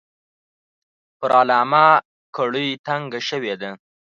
پر علامه کړۍ تنګه شوې ده.